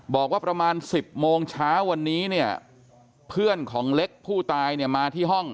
บอกว่าประมาณ๑๐โมงเช้าวันนี้เนี่ยเพื่อนของเล็กผู้ตายเนี่ยมาที่ห้อง